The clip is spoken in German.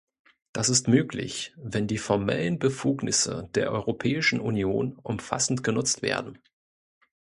Das ist möglich, wenn die formellen Befugnisse der Europäischen Union umfassend genutzt werden.